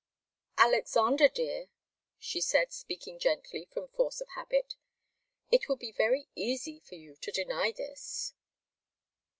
"Alexander, dear," she said, speaking gently from force of habit, "it would be very easy for you to deny this."